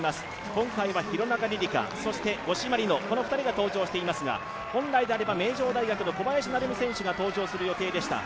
今回は廣中璃梨佳、五島莉乃の２人が登場していますが本来であれば名城大学の小林成美選手が登場する予定でした。